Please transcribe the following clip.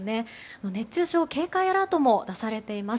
熱中症アラートも出されています。